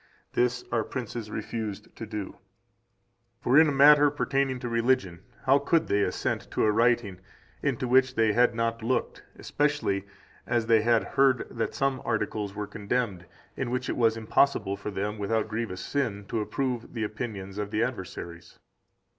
This our princes refused to do. For in a matter pertaining to religion, how could they assent to a writing into which they had not looked, especially, as they had heard that some articles were condemned, in which it was impossible for them, without grievous sin, to approve the opinions of the adversaries?